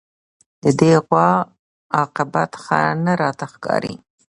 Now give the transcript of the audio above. د دې غوا عاقبت ښه نه راته ښکاري